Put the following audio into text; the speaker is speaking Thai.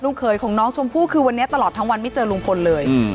เคยของน้องชมพู่คือวันนี้ตลอดทั้งวันไม่เจอลุงพลเลย